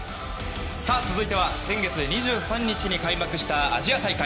続いては先月２３日に開幕したアジア大会